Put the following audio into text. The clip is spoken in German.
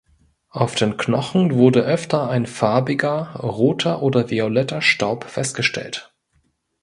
Auf den Knochen wurde öfter ein farbiger (roter oder violetter) Staub festgestellt.